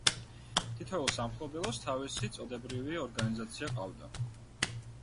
თითოეულ სამფლობელოს თავისი წოდებრივი ორგანიზაცია ჰყავდა.